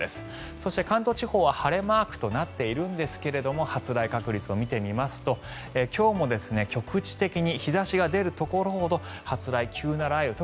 そして関東地方は晴れマークとなっているんですが発雷確率を見てみますと今日も局地的に日差しが出るところほど初雷、急な雷が。